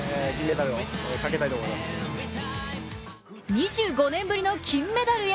２５年ぶりの金メダルへ。